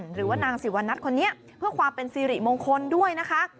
หรือว่านางสิวนัทคนนี้เพื่อความเป็นสิริมงคลด้วยนะคะ